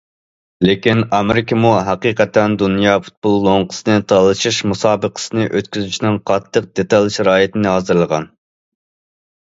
لېكىن ئامېرىكىمۇ ھەقىقەتەن دۇنيا پۇتبول لوڭقىسىنى تالىشىش مۇسابىقىسىنى ئۆتكۈزۈشنىڭ قاتتىق دېتال شارائىتىنى ھازىرلىغان.